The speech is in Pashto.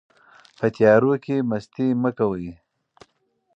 په تیارو کې مستي مه کوئ.